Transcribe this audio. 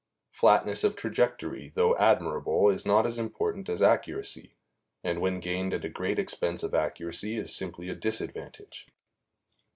Flatness of trajectory, though admirable, is not as important as accuracy, and when gained at a great expense of accuracy is simply a disadvantage.